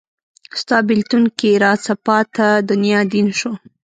ستا بیلتون کې راڅه پاته دنیا دین شو